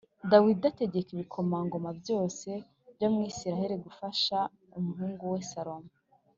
Dawidi ategeka ibikomangoma byose byo muri Isirayeli gufasha umuhungu we Salomo